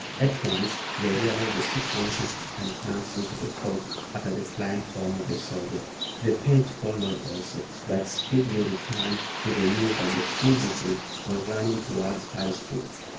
At once they realized the situation, and plunged into the fog after the flying form of the soldier. The page followed also, but speedily returned with the news that the fugitive was running towards High Street.